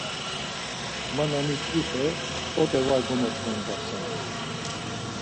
Man na mitzvipe p̌ot̆e va gomoç̌ǩondasinon.